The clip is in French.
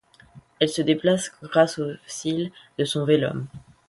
Elle se déplace grâce aux cils de son velum.